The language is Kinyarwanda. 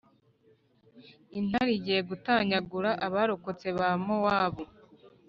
intare igiye gutanyagura abarokotse ba Mowabu,